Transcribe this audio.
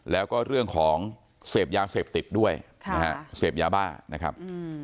แล้วก็เรื่องของเสพยาเสพติดด้วยเสพยาบ้านะครับ